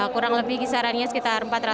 kurang lebih kisarannya sekitar empat ratus